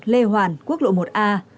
lê hoàn quốc lộ một a